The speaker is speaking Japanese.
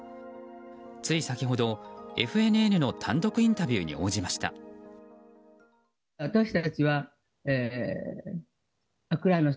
つい先ほど、ＦＮＮの単独インタビューに応じました。